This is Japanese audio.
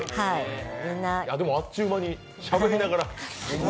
でも、あっという間にしゃべりながら。